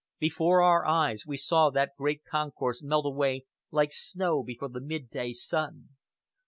Before our eyes we saw that great concourse melt away, like snow before the midday sun.